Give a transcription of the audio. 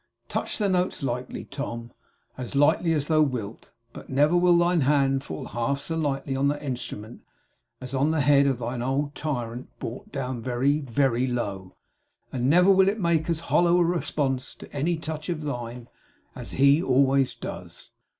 Touch the notes lightly, Tom, as lightly as thou wilt, but never will thine hand fall half so lightly on that Instrument as on the head of thine old tyrant brought down very, very low; and never will it make as hollow a response to any touch of thine, as he does always.